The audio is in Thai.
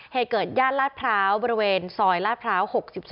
เหตุเกิดย่านลาดพร้าวบริเวณซอยลาดพร้าว๖๒